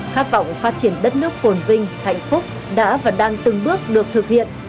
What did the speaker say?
khát vọng phát triển đất nước cồn vinh hạnh phúc đã và đang từng bước được thực hiện